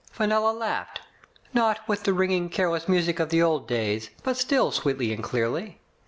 Fenella laughed, not with the ringing, careless music of the old days, but still sweetly and clearly.